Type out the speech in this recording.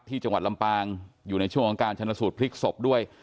จังหวัดลำปางอยู่ในช่วงของการชนสูตรพลิกศพด้วย